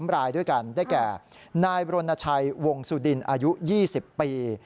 รายด้วยกันได้แก่นายบรณชัยวงสุดินอายุ๒๐ปี